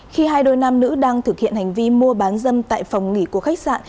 khi hai đôi nam nữ đang thực hiện hành vi mua bán dâm tại phòng nghỉ của khách sạn